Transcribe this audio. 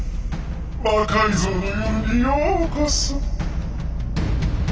「魔改造の夜」にようこそ。